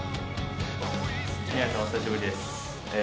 宮根さん、お久しぶりです。